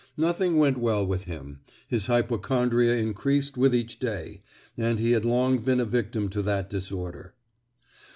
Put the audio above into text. Nothing went well with him; his hypochondria increased with each day, and he had long been a victim to that disorder.